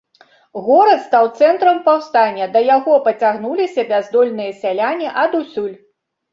Горад стаў цэнтрам паўстання, да яго пацягнуліся бяздольныя сяляне адусюль.